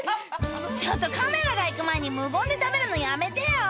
ちょっとカメラが行く前に無言で食べるのやめてよ！